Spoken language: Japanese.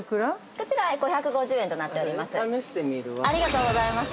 ◆こちら、５５０円となっております。